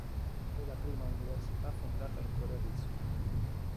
È la prima università fondata in Corea del Sud.